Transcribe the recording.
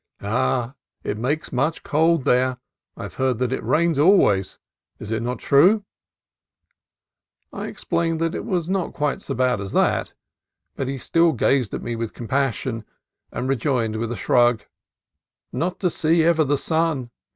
"Ah! it makes much cold there. I have heard that it rains always ; is it not true ?'' I explained that it was not quite so bad as that; but he still gazed at me with compassion, and re joined with a shrug, —" Huy ! not to see ever the sun